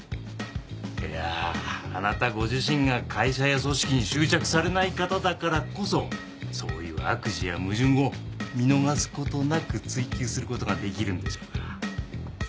いやああなたご自身が会社や組織に執着されない方だからこそそういう悪事や矛盾を見逃す事なく追及する事が出来るんでしょうが。